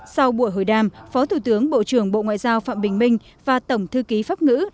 sau buổi hội đàm phó thủ tướng bộ trưởng bộ ngoại giao phạm bình minh và tổng thư ký pháp ngữ